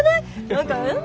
何かうん？